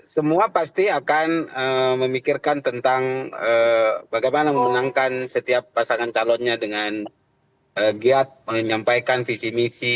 semua pasti akan memikirkan tentang bagaimana memenangkan setiap pasangan calonnya dengan giat menyampaikan visi misi